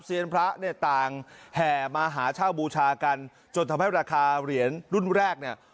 พระเนี่ยต่างแห่มาหาเช่าบูชากันจนทำให้ราคาเหรียญรุ่นแรกเนี่ย